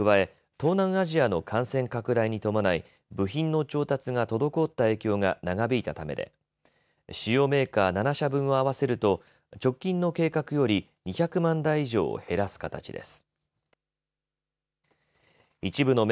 東南アジアの感染拡大に伴い部品の調達が滞った影響が長引いたためで主要メーカー７社分を合わせると直近の計画より２００万台以上を減らす形です。